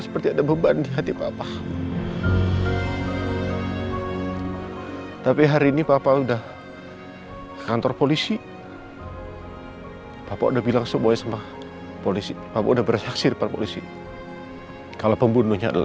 sampai jumpa di video selanjutnya